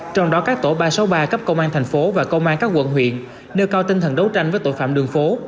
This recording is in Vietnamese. trong đó các tổ ba trăm sáu mươi ba cấp công an thành phố và công an các quận huyện nêu cao tinh thần đấu tranh với tội phạm đường phố